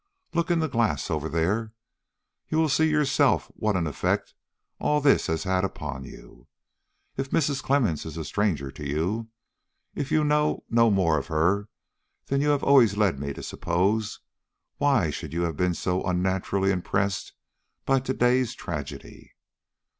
Look in the glass over there, and you will yourself see what an effect all this has had upon you. If Mrs. Clemmens is a stranger to you; if you know no more of her than you have always led me to suppose, why should you have been so unnaturally impressed by to day's tragedy?"